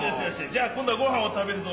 じゃあこんどはごはんをたべるぞ。